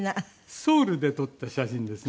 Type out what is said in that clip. ソウルで撮った写真ですね。